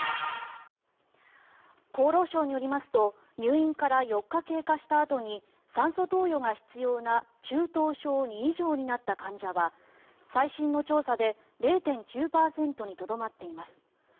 厚労省によりますと入院から４日経過したあとに酸素投与が必要な中等症２以上になった患者は最新の調査で０．９％にとどまっています。